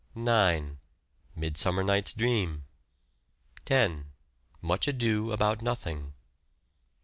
9. Midsummer Night's Dream. 10. Much Ado About Nothing.